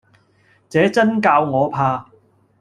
這眞教我怕，